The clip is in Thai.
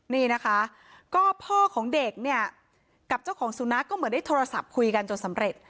นี่นะคะก็พ่อของเด็กเนี่ยกับเจ้าของสุนัขก็เหมือนได้โทรศัพท์คุยกันจนสำเร็จ